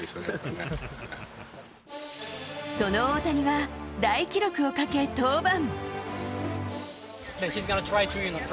その大谷が大記録をかけ登板。